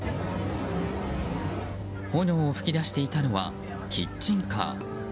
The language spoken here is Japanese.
炎を噴き出していたのはキッチンカー。